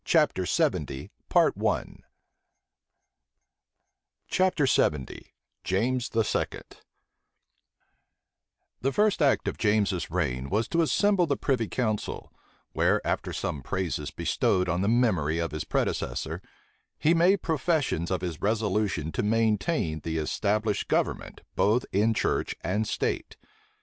{1685.} THE first act of James's reign was to assemble the privy council; where, after some praises bestowed on the memory of his predecessor, he made professions of his resolution to maintain the established government, both in church and state.